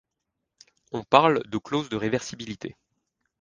On parle de clause de réversibilité.